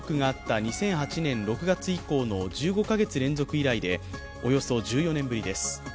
２００８年６月以降の１５か月連続以来でおよそ１４年ぶりです。